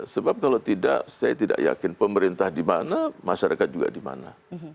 sebab kalau tidak saya tidak yakin pemerintah di mana masyarakat juga di mana